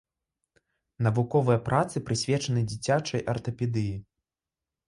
Навуковыя працы прысвечаны дзіцячай артапедыі.